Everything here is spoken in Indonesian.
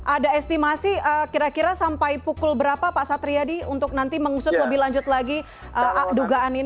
ada estimasi kira kira sampai pukul berapa pak satriadi untuk nanti mengusut lebih lanjut lagi dugaan ini